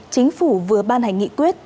chính phủ vừa ban hành nghị quyết